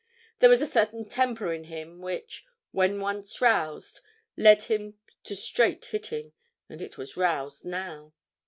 There was a certain temper in him which, when once roused, led him to straight hitting, and it was roused now.